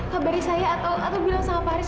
kabari saya atau bilang sama pak haris